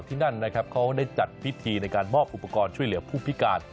ที่นั่นนะครับเขาได้จัดพิธีในการมอบอุปกรณ์ช่วยเหลือผู้พิการ